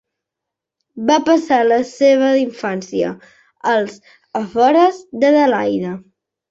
Va passar la seva infància als afores d'Adelaida.